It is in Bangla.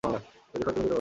জেনিফার, তুমি যেতে পারো।